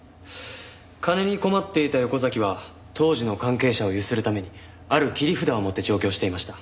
金に困っていた横崎は当時の関係者をゆするためにある切り札を持って上京していました。